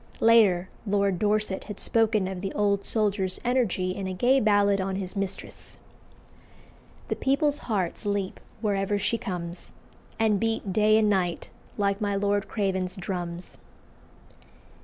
Later Lord Dorset had spoken of the old soldier's energy in a gay ballad on his mistress "The people's hearts leap wherever she comes, And beat day and night like my Lord Craven's drums."